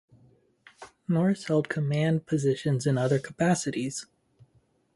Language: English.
Norris held command positions in other capacities.